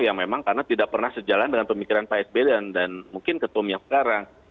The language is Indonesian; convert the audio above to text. ya memang karena tidak pernah sejalan dengan pemikiran pak s b dan mungkin ketua miyak sekarang